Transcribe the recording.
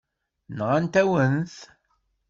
Nɣant-awen-t.